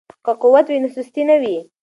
که قوت وي نو سستي نه وي.